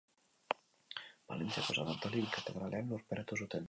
Palentziako San Antolin katedralean lurperatu zuten.